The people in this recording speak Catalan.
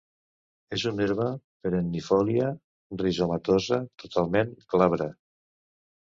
És una herba perennifòlia, rizomatosa, totalment glabra.